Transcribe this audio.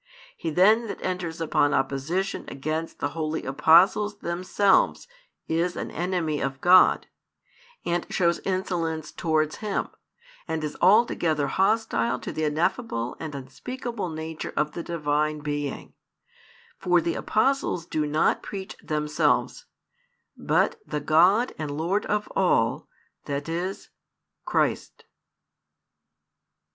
He then that enters upon opposition against the holy Apostles themselves is an enemy of God, and shows insolence towards Him, and is altogether hostile to the ineffable and unspeakable Nature of the Divine Being, for the Apostles do not preach themselves, but the God and Lord of all, that is. Christ.